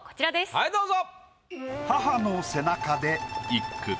はいどうぞ。